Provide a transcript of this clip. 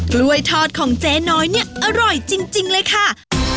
กล้วยทอดของเจ๊น้อยเนี่ยอร่อยจริงเลยค่ะ